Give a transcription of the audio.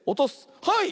はい！